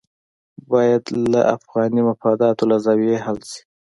باید له افغاني مفاداتو له زاویې حل شي.